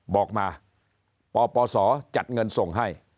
บอกมาปปศจัดเงินส่งให้